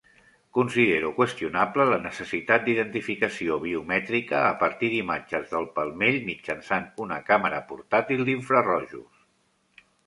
Considero qüestionable la necessitat d'identificació biomètrica a partir d'imatges del palmell mitjançant un càmera portàtil d'infrarojos.